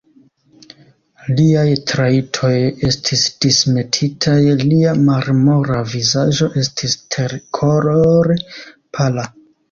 Liaj trajtoj estis dismetitaj; lia marmora vizaĝo estis terkolore pala.